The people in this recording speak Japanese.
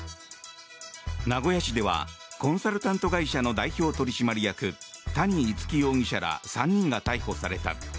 名古屋市ではコンサルタント会社の代表取締役谷逸輝容疑者ら３人が逮捕された。